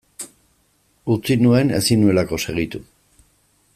Utzi nuen ezin nuelako segitu.